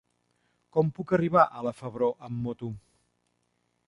Com puc arribar a la Febró amb moto?